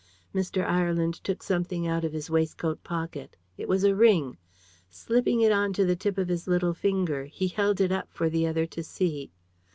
Mr. Ireland took something out of his waistcoat pocket. It was a ring. Slipping it on to the tip of his little finger, he held it up for the other to see.